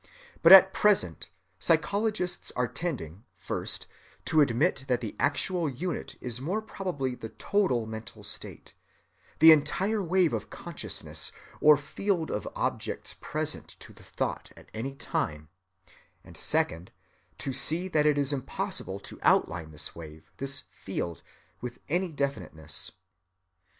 But at present psychologists are tending, first, to admit that the actual unit is more probably the total mental state, the entire wave of consciousness or field of objects present to the thought at any time; and, second, to see that it is impossible to outline this wave, this field, with any definiteness.